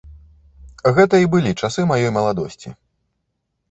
Гэта і былі часы маёй маладосці.